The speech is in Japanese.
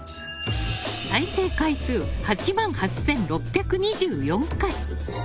再生回数は８万８６２４回。